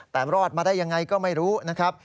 แต่รอดมาได้ยังไงก็ไม่รู้นะครับ